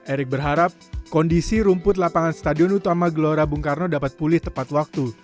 erick berharap kondisi rumput lapangan stadion utama gelora bung karno dapat pulih tepat waktu